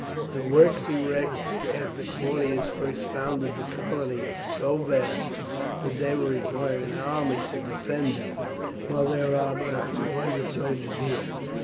The works erected after Claudius first founded the colony are so vast that they would require an army to defend them, while there are but a few hundred soldiers here.